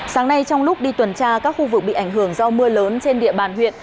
sáng nay trong lúc đi tuần tra các khu vực bị ảnh hưởng do mưa lớn trên địa bàn huyện